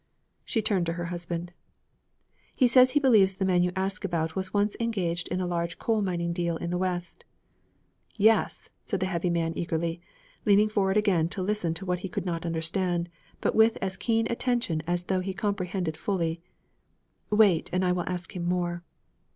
She turned to her husband. 'He says he believes the man you ask about was once engaged in a large coal mining deal in the West.' 'Yes,' said the heavy man eagerly, leaning forward again to listen to what he could not understand, but with as keen attention as though he comprehended fully. 'Wait and I will ask him more.'